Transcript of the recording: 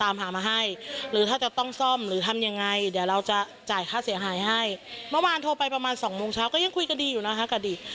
เมื่อวานโทรไปประมาณสองโมงเช้าก็ยังคุยกันดีอยู่นะคะกับดี